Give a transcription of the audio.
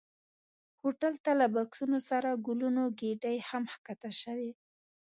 هوټل ته له بکسونو سره ګلونو ګېدۍ هم ښکته شوې.